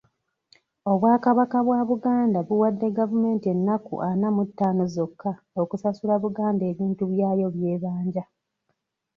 Obwakabaka bwa Buganda buwadde gavumenti ennaku ana mu ttaano zokka okusasula Buganda ebintu byayo by'ebanja.